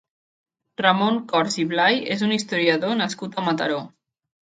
Ramon Corts i Blay és un historiador nascut a Mataró.